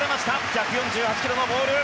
１４８キロのボール。